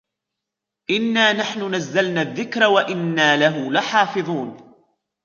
إِنَّا نَحْنُ نَزَّلْنَا الذِّكْرَ وَإِنَّا لَهُ لَحَافِظُونَ